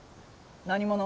何者？